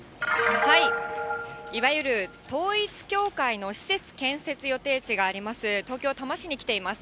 いわゆる統一教会の施設建設予定地があります、東京・多摩市に来ています。